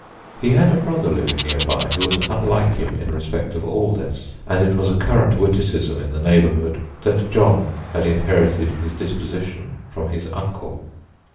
He had a brother living near by who was unlike him in respect of all this, and it was a current witticism in the neighborhood that John had inherited his disposition from his uncle.